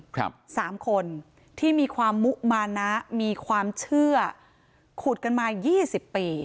สามคนที่มีความมุมานะมีความเชื่อขุดกันมายี่สิบปี